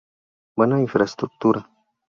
Buena infraestructura.